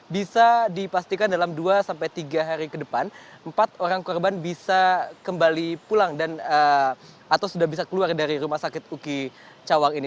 bisa dipastikan dalam dua sampai tiga hari ke depan empat orang korban bisa kembali pulang atau sudah bisa keluar dari rumah sakit uki cawang ini